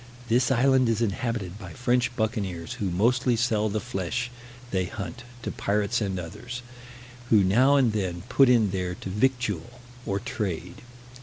This island is inhabited by French buccaneers, who mostly sell the flesh they hunt to pirates and others, who now and then put in there to victual, or trade.